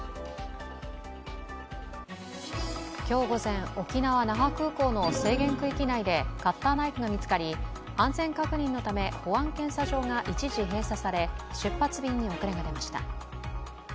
今日午前、沖縄・那覇空港の制限区域内でカッターナイフが見つかり安全確認のため、保安検査場が一時閉鎖され、出発便に遅れが出ました。